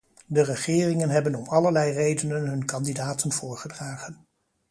De regeringen hebben om allerlei redenen hun kandidaten voorgedragen.